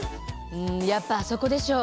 うんやっぱあそこでしょ